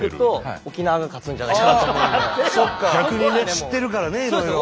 知ってるからねいろいろ。